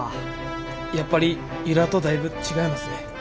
やっぱり由良とだいぶ違いますね。